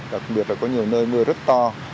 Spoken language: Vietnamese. đặc biệt là có nhiều nơi mưa rất to